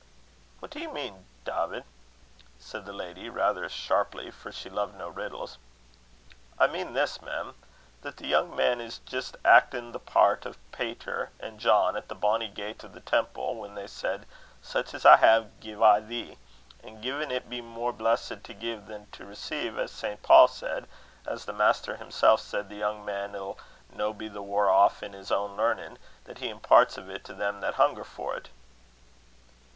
"What do ye mean, Dawvid?" said the lady rather sharply, for she loved no riddles. "I mean this, mem: that the young man is jist actin' the pairt o' Peter an' John at the bonny gate o' the temple, whan they said: 'Such as I have, gie I thee;' an' gin' it be more blessed to gie than to receive, as Sant Paul says 'at the Maister himsel' said, the young man 'ill no be the waur aff in's ain learnin', that he impairts o't to them that hunger for't."